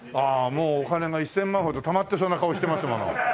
もうお金が１０００万ほどたまってそうな顔してますもの。